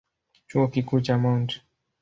Chuo Kikuu cha Mt.